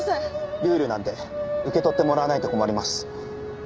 ルールなんで受け取ってもらわないと困ります。